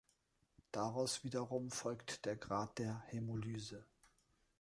Daraus wiederum folgt der Grad der Hämolyse.